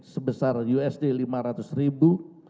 sebesar usd lima ratus ribu